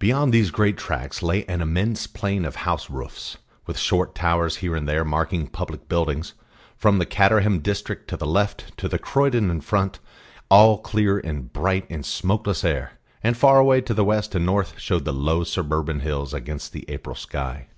Beyond these great tracks lay an immense plain of house roofs, with short towers here and there marking public buildings, from the Caterham district on the left to Croydon in front, all clear and bright in smokeless air; and far away to the west and north showed the low suburban hills against the April sky.